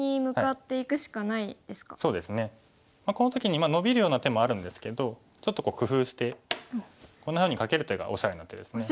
この時にノビるような手もあるんですけどちょっと工夫してこんなふうにカケる手がおしゃれな手ですね。